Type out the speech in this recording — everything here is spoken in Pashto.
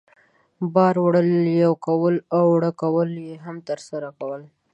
بار وړل، یوې کول او اوړه کول یې هم ترسره کول.